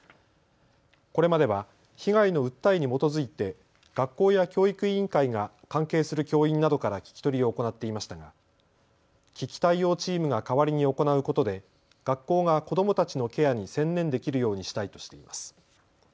これまでは被害の訴えに基づいて学校や教育委員会が関係する教員などから聞き取りを行っていましたが危機対応チームが代わりに行うことで学校が子どもたちのケアに専念できるようにしたいとしています。